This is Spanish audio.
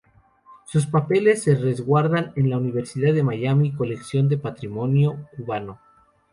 Sus papeles se resguardan en la Universidad de Miami Colección de Patrimonio cubano.